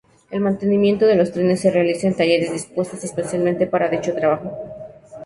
El mantenimiento de los trenes se realiza en talleres dispuestos especialmente para dicho trabajo.